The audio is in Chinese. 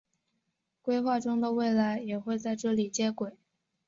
规划中的未来也会在这里接轨。